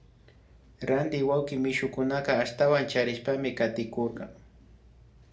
Ranti wakin mishukunaka ashtawan chariyashpa katirkakuna